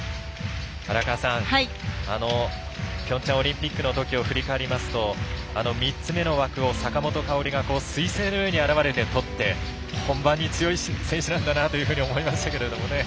荒川さんピョンチャンオリンピックのときを振り返りますと３つ目の枠を坂本花織がすい星のように現れてとって本番に強い選手なんだなって思いましたけどね。